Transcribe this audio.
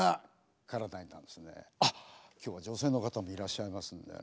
あっ今日は女性の方もいらっしゃいますんでね。